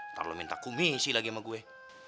ntar lo minta komisi lagi mah gue